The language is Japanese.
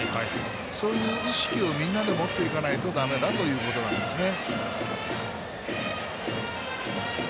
そういう意識をみんなで持っていかないとだめだということなんですね。